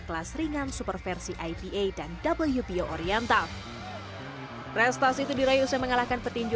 kelas ringan superversi ipa dan wpo oriental prestasi itu diraih usai mengalahkan petinju